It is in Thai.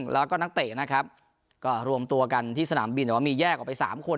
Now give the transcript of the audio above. แล้วก็นักเตะนะครับก็รวมตัวกันที่สนามบินแต่ว่ามีแยกออกไป๓คน